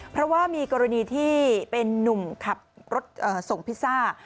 เพราะว่ามีกรณีที่เป็นนุ่มขับรถส่งพิซซ่า